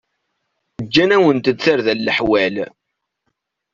Gǧan-awent-d tarda leḥwal.